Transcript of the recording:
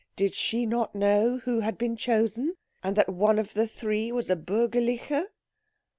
Did she not know who had been chosen, and that one of the three was a Bürgerliche?